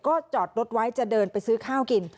ก็จอดรถไว้จะเดินไปซื้อข้าวกิน